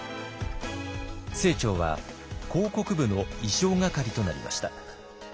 清張は広告部の意匠係となりました。